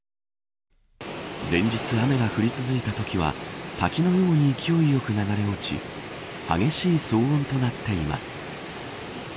連日、雨が降り続いたときは滝のように勢いよく流れ落ち激しい騒音となっています。